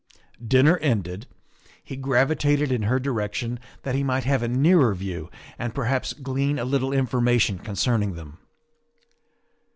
Dinner ended, he gravitated in her direction that he might have a nearer view and perhaps glean a little in formation concerning them.